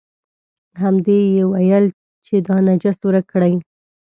همدې یې ویل چې دا نجس ورک کړئ.